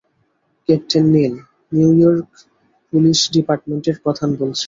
Captain Neil, New York police ডিপার্টমেন্টের প্রধান বলছি।